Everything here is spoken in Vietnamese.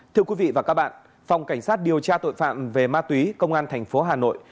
thưa quý vị và các bạn phòng cảnh sát điều tra tội phạm về ma túy công an thành phố hà nội